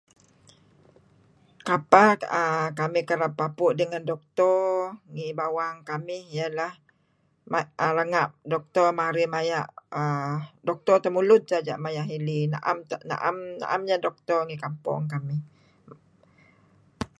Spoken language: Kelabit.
Kapeh kamih kereb papu' dengan doktor ngi bawang kamih ialah renga' doktor marih maya' doktor temulud saja maya' heli saja, na'em iyeh doktor ngi kampong.